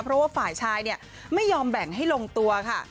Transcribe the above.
เพราะว่าฝ่ายชายไม่ยอมแบ่งให้ลงตัวค่ะ